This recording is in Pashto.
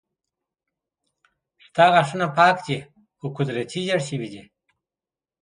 ستا غاښونه پاک دي خو قدرتي زيړ شوي دي